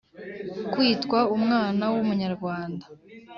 kwitwa umwana w’umunyarwanda